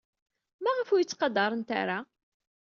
Maɣef ur iyi-ttqadarent ara?